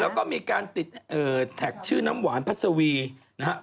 แล้วก็มีการติดแท็กชื่อน้ำหวานพัสวีนะครับ